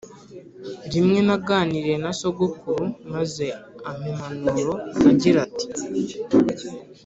Rimwe naganiriye na sogokuru maze ampa impanuro agira ati